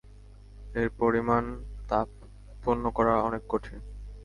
এই পরিমাণ তাপ উৎপন্ন করা অনেক কঠিন।